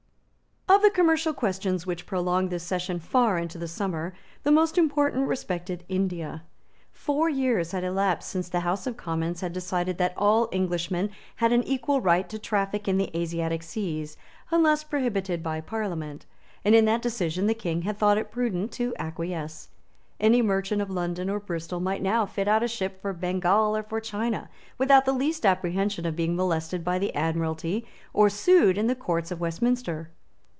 Of the commercial questions which prolonged this session far into the summer the most important respected India. Four years had elapsed since the House of Commons had decided that all Englishmen had an equal right to traffic in the Asiatic Seas, unless prohibited by Parliament; and in that decision the King had thought it prudent to acquiesce. Any merchant of London or Bristol might now fit out a ship for Bengal or for China, without the least apprehension of being molested by the Admiralty or sued in the Courts of Westminster.